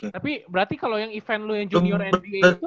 tapi berarti kalau event lu yang junior nba itu